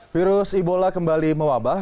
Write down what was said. virus ebola kembali mewabah